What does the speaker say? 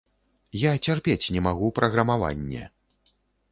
Я цярпець не магу праграмаванне.